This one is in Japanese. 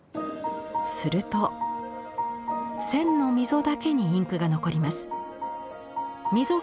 すると線の溝だけにインクが残ります。